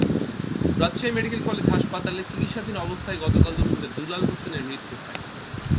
Rajshahi medical college হাসপাতালে চিকিৎসাধীন অবস্থায় গতকাল দুপুরে দুলাল হোসেনের মৃত্যু হয়।